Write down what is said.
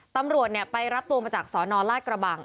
ตำรวจไปรับตัวมาจากสนราชกระบัง